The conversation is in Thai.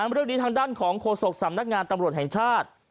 เรื่องนี้ทางด้านของโฆษกสำนักงานตำรวจแห่งชาติ